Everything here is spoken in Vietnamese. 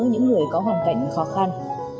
những người có hoàn cảnh khó khăn